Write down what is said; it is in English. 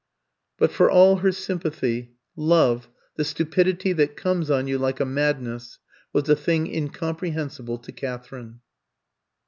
But, for all her sympathy, love, the stupidity that comes on you like a madness, was a thing incomprehensible to Katherine.